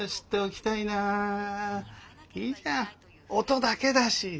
音だけだし。